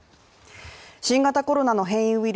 新型コロナの変異ウイル